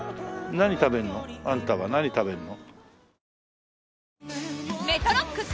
何食べるの？あんたは何食べるの？